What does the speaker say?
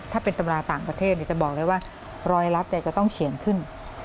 ถ้าเป็นตำราต่างประเทศจะบอกเลยว่ารอยลับจะต้องเขียนขึ้น